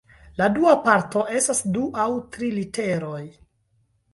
La dua parto estas du aŭ tri literoj.